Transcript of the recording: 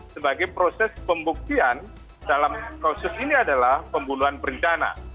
sebagai proses pembuktian dalam proses ini adalah pembunuhan perencana